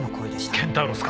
ケンタウロスか？